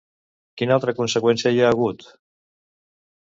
Quina altra conseqüència hi ha hagut?